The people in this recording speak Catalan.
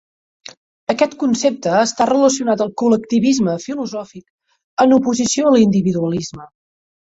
Aquest concepte està relacionat al col·lectivisme filosòfic en oposició a l'individualisme.